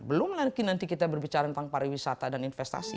belum lagi nanti kita berbicara tentang pariwisata dan investasi